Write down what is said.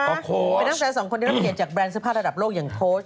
ไปนั่งแฟนสองคนที่รับเกียรติจากแบรนด์ซื้อผ้าระดับโลกอย่างโค้ช